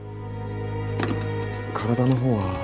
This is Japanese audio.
体の方は。